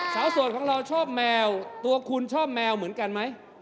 โสดของเราชอบแมวตัวคุณชอบแมวเหมือนกันไหม